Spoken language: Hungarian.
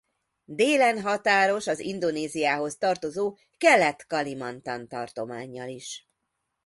Délen határos az Indonéziához tartozó Kelet-Kalimantan tartománnyal is.